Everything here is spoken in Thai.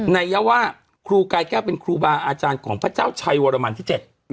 นายยว่าครูกายแก้วเป็นครูบาอาจารย์ของพระเจ้าชัยวรมันที่๗